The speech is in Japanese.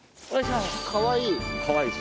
かわいい。